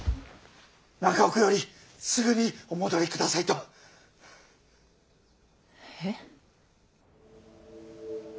中奥よりすぐにお戻り下さいと！え？